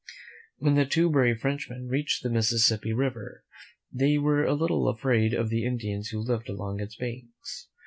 When the two brave Frenchmen reached the Mississippi River, they were a little afraid of the Indians who lived along its banks.